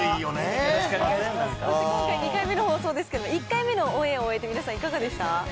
そして今回２回目の放送ですけど、１回目のオンエアを終えて、皆さん、いかがでした？